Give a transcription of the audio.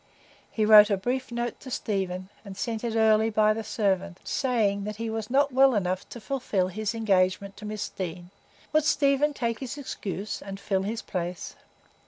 He wrote a brief note to Stephen, and sent it early by the servant, saying that he was not well enough to fulfil his engagement to Miss Deane. Would Stephen take his excuse, and fill his place?